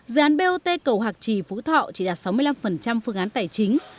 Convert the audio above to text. dự án bot cầu hạc trì phú thọ chỉ đạt sáu mươi năm phương án tài chính